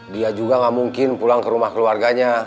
dia juga nggak mungkin pulang ke rumah keluarganya